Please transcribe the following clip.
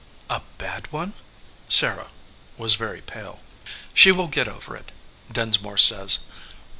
"A bad one ?" Sarah was very pale. "She will get over it, Dinsmore says.